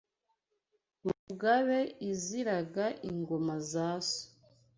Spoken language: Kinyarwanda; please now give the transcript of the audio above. Mugabe iziraga ingoma za so